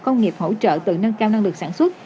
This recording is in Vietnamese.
công nghiệp hỗ trợ từ nâng cao năng lực sản xuất